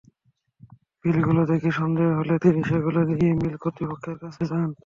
বিলগুলো দেখে সন্দেহ হলে তিনি সেগুলো নিয়ে মিল কর্তৃপক্ষের কাছে যান।